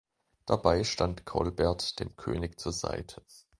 Dabei stand Colbert dem König zur Seite.